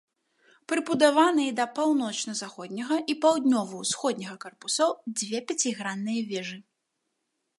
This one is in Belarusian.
Прыбудаваныя да паўночна-заходняга і паўднёва-ўсходняга карпусоў дзве пяцігранныя вежы.